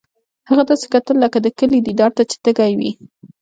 هغه داسې کتل لکه د کلي دیدار ته چې تږی وي